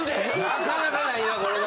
なかなか無いなこれな。